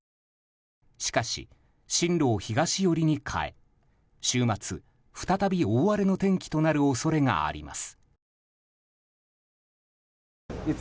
しかし、進路を東寄りに変え週末、再び大荒れの天気となる恐れがあります。